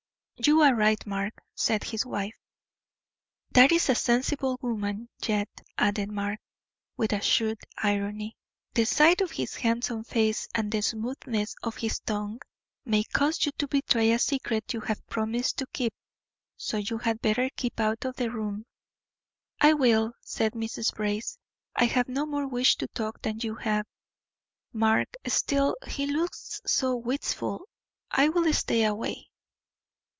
"You are right, Mark," said his wife. "That is a sensible woman. Yet," added Mark, with shrewd irony, "the sight of his handsome face and the smoothness of his tongue may cause you to betray a secret you have promised to keep, so you had better keep out of the room." "I will," said Mrs. Brace. "I have no more wish to talk than you have, Mark. Still he looks so wistful, I will stay away."